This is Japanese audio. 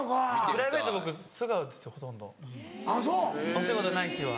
お仕事ない日は。